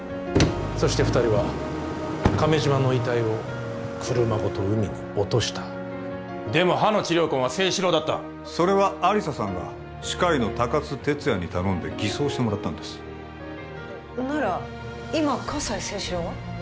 そして二人は亀島の遺体を車ごと海に落としたでも歯の治療痕は征四郎だったそれは亜理紗さんが歯科医の高津哲也に頼んで偽装してもらったんですなら今葛西征四郎は？